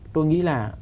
tôi nghĩ là